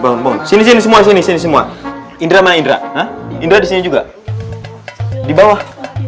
bangun bangun sini semua sini semua indra indra indra disini juga di bawah